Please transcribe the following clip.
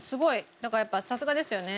だからやっぱさすがですよね。